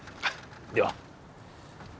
では。